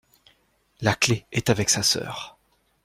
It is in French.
La clé est avec sa sœur.